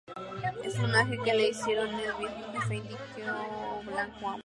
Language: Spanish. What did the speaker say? Es un homenaje que le hicieron al viejo jefe indio Black Hawk.